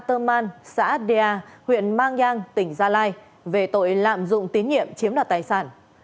cơ quan cảnh sát điều tra công an tỉnh gia lai đã ra quyết định truy nã về tội lạm dụng tín nhiệm chiếm đoạt tài sản